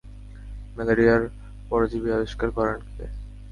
ম্যালেরিয়ার পরজীবী আবিষ্কার করেন কে?